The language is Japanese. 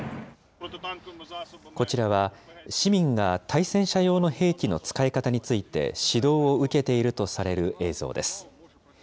こちらは市民が対戦車用の兵器の使い方について、指導を受けているとされる映像です。